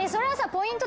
ポイント